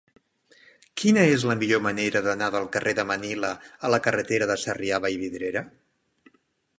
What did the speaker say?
Quina és la millor manera d'anar del carrer de Manila a la carretera de Sarrià a Vallvidrera?